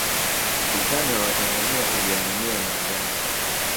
Utani wa Watanzania uliaminiwa na Waganda